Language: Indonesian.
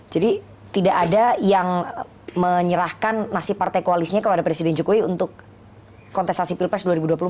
jadi tidak ada yang menyerahkan nasib partai koalisnya kepada presiden jokowi untuk kontestasi pilpres dua ribu dua puluh empat